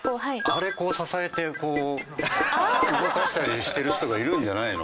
あれ支えてこう動かしたりしてる人がいるんじゃないの？